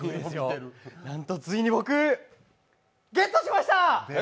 なんとついに僕、ゲットしました！